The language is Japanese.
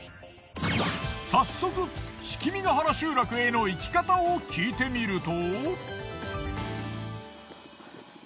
早速樒原集落への行き方を聞いてみると。